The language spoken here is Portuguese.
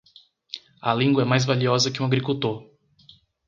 A língua é mais valiosa que um agricultor.